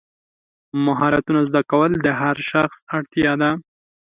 مهارتونه زده کول د هر شخص اړتیا ده.